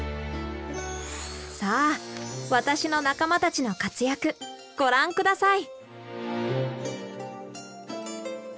さあ私の仲間たちの活躍ご覧下さい。